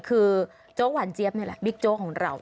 คือโจ๊กหวานเจี๊ยบนี่แหละบิ๊กโจ๊กของเรา